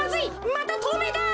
またとうめいだ。